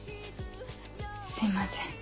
すいません。